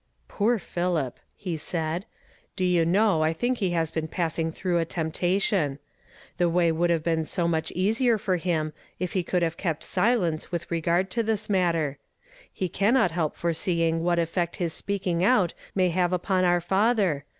" Poor PhiHp !" he said. " Do you know I think he has been passing tiu'ongh a temptation. The way woukl liave been so niucli easier for him, if he could have kept silence with regard t(j tliis matter. He cannot help foreseeing what effect his speaking out may have upon our father.